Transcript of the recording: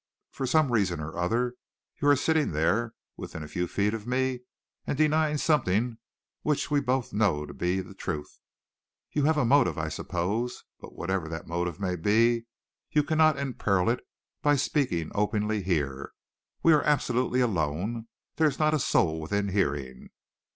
For some reason or other, you are sitting there within a few feet of me and denying something which we both know to be the truth. You have a motive, I suppose, but whatever that motive may be, you cannot imperil it by speaking openly here. We are absolutely alone. There is not a soul within hearing.